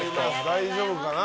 大丈夫かな。